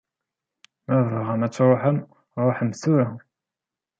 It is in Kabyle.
Ma tebɣam ad tṛuḥem, ṛuḥem tura!